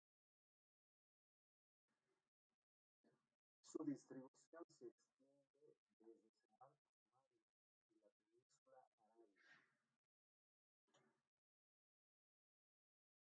Su distribución se extiende desde Senegal hasta Somalia y la península arábiga.